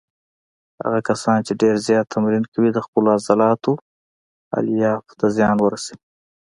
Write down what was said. هغه کسان چې ډېر زیات تمرین کوي د خپلو عضلاتو الیافو ته زیان ورسوي.